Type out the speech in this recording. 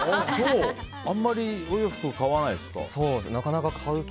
あんまりお洋服買わないんですか。